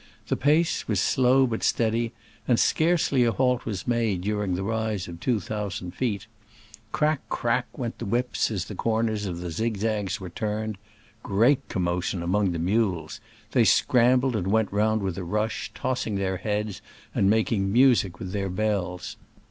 The pace was slow but steady, and scarcely a halt was made during the rise of two thousand feet. Crack ! crack 1 went the • whips as the corners of the zigzags were turned. Great commotion among the mules ! They scrambled and went round with a rush, tossing their heads and making music with their bells.